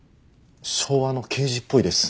昭和の刑事っぽいです。